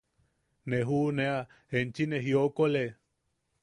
–Ne juʼunea, enchi ne jiokole.